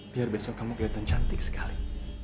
biar besok kamu kelihatan cantik sekali